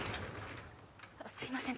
すいません